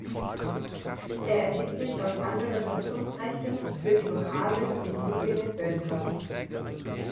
Er ergibt sich aus anderen Nutzungsrechten für die lokalen Indigene Völker.